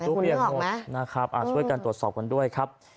เปลี่ยนหมดนะครับช่วยกันตรวจสอบกันด้วยครับ